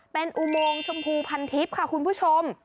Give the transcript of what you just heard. เป็นอุโมงชมพูพันทิพย์ค่ะคุณผู้ชม